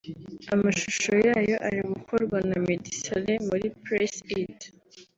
amashusho yayo ari gukorwa na Meddy Saleh muri Press It